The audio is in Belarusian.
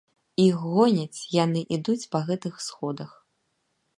Іх гоняць, яны ідуць па гэтых сходах.